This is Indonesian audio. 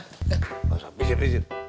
gak usah pisit pisit